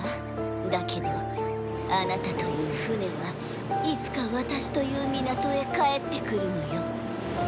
だけどあなたという船はいつか私という港へ帰ってくるのよ。